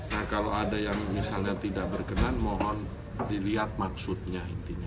nah kalau ada yang misalnya tidak berkenan mohon dilihat maksudnya